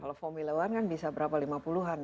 kalau formula one kan bisa berapa